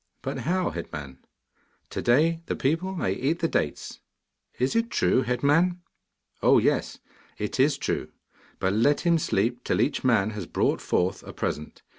'But how, head man?' 'To day the people may eat the dates.' 'Is it true, head man?' 'Oh yes, it is true, but let him sleep till each man has brought forth a present.